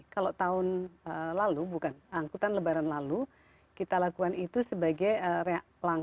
kalau tahun lalu bukan angkutan lebaran lalu kita lakukan itu sebagai langkah reaktif ketika ada dinamika di lapangan